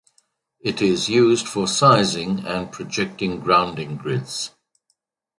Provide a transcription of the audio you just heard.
It is used for sizing and projecting grounding grids.